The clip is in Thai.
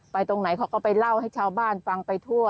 ตรงไหนเขาก็ไปเล่าให้ชาวบ้านฟังไปทั่ว